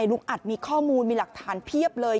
ลุงอัดมีข้อมูลมีหลักฐานเพียบเลย